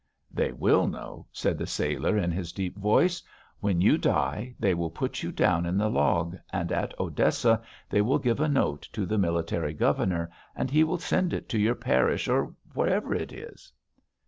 "They will know," said the sailor in his deep voice. "When you die they will put you down in the log, and at Odessa they will give a note to the military governor, and he will send it to your parish or wherever it is...."